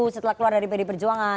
setelah keluar dari pd perjuangan